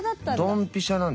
ドンピシャなんですよ。